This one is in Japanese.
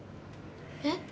えっ？